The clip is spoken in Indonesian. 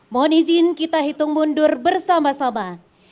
mohon izin kita hitung mundur bersama sama